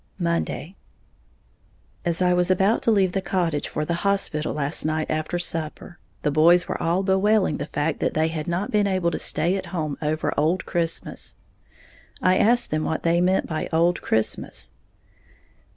Monday. As I was about to leave the cottage for the hospital last night after supper, the boys were all bewailing the fact that they had not been able to stay at home over Old Christmas. I asked them what they meant by "Old Christmas."